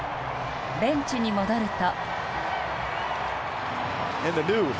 ベンチに戻ると。